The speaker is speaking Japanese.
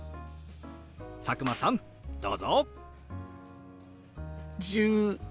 佐久間さんどうぞ！１１。